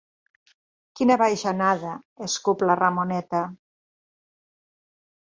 Quina bajanada! –escup la Ramoneta–.